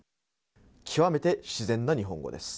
極めて自然な日本語です。